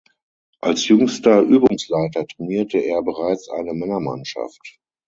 Als jüngster Übungsleiter trainierte er bereits eine Männermannschaft.